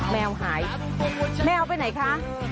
แมวหายแมวไปไหนคะ